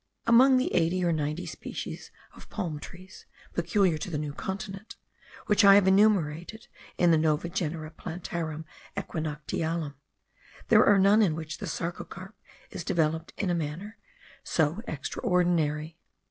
Among the eighty or ninety species of palm trees peculiar to the New Continent, which I have enumerated in the Nova Genera Plantarum Aequinoctialum, there are none in which the sarcocarp is developed in a manner so extraordinary.